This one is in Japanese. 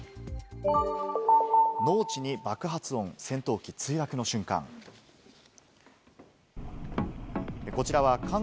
農地に爆発音、戦闘機墜落の「ビオレＵＶ」